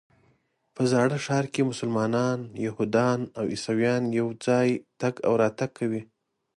په زاړه ښار کې مسلمانان، یهودان او عیسویان یو ځای تګ راتګ کوي.